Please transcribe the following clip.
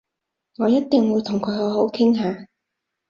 我一定會同佢好好傾下